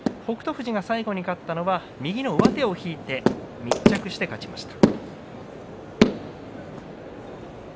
富士が最後に勝ったのは右の上手を引いて密着して勝ちました。